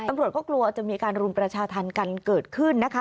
ตำรวจก็กลัวจะมีการรุมประชาธรรมกันเกิดขึ้นนะคะ